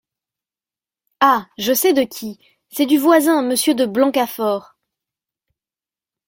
Ah ! je sais de qui… c’est du voisin, Monsieur de Blancafort !